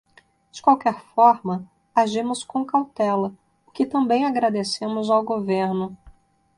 De qualquer forma, agimos com cautela, o que também agradecemos ao governo.